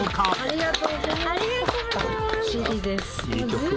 ありがとうございます！